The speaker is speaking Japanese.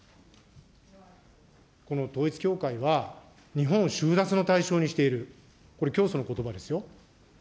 この統一教会は、日本を収奪の対象にしている、これ教祖のことばですよ。